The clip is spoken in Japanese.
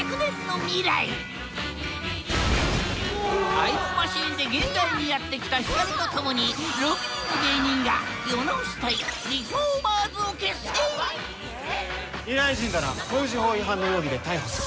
タイムマシンで現代にやって来たヒカルと共に６人の芸人が未来人だな航時法違反の容疑で逮捕する。